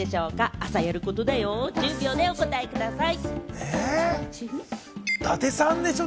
朝やることだよ、１０秒でお答えください。